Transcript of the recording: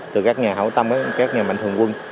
từ các nhà hậu tâm các nhà mạnh thường quân